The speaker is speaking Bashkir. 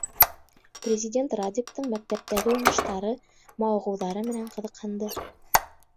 Президент Радиктың мәктәптәге уңыштары, мауығыуҙары менән ҡыҙыҡһынды.